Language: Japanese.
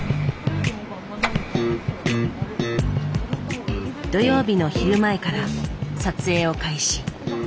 土曜日の昼前から撮影を開始。